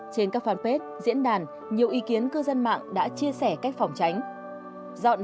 trên các fanpage diễn đàn nhiều ý kiến cư dân mạng đã chia sẻ cách phòng tránh